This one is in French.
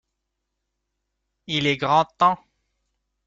Il est grand temps.